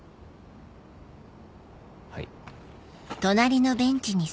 はい。